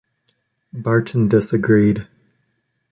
Barton disagreed.